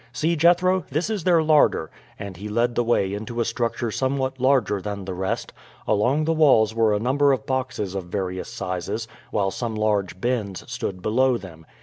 See, Jethro, this is their larder," and he led the way into a structure somewhat larger than the rest; along the walls were a number of boxes of various sizes, while some large bins stood below them.